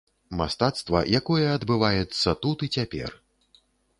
Мастацтва, якое адбываецца тут і цяпер.